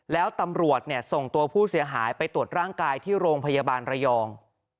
แล้วตำรวจส่งตัวผู้เสียหายไปตรวจร่างกายที่โรงพยาบาลระยอง